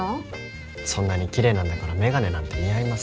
そんなに奇麗なんだから眼鏡なんて似合いません。